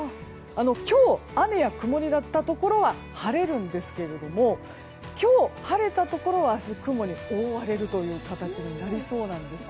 今日、雨や曇りだったところは晴れるんですけれども今日晴れたところは明日雲に覆われる形になりそうです。